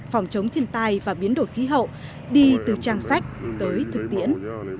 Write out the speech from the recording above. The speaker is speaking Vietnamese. phòng chống thiên tai và biến đổi khí hậu đi từ trang sách tới thực tiễn